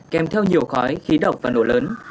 kèm theo nhiều khói khí độc và nổ lớn